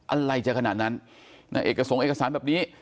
อะไรจะขนาดนั้นนายเอกสงค์เอกสารแบบนี้